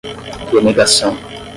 denegação